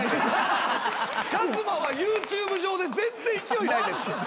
ＫＡＺＭＡはＹｏｕＴｕｂｅ上で全然勢いないです。